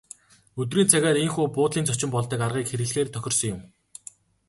Өдрийн цагаар ийнхүү буудлын зочин болдог аргыг хэрэглэхээр тохирсон юм.